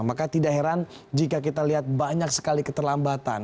maka tidak heran jika kita lihat banyak sekali keterlambatan